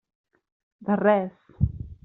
De res.